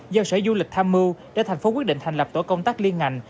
giao sở du lịch tham mưu để thành phố quyết định thành lập tổ công tác liên ngành